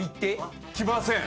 きません！